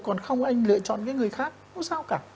còn không anh lựa chọn người khác không sao cả